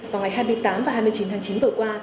vào ngày hai mươi tám và hai mươi chín tháng chín vừa qua